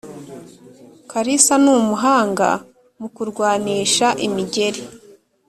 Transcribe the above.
kalisa numuhanga mukurwanisha imigeri